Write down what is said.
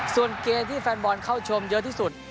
ส่วนเกมที่แฟนบอลเข้าชมเยอะที่สุด